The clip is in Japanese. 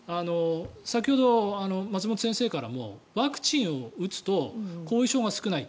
先ほど、松本先生からもワクチンを打つと後遺症が少ない。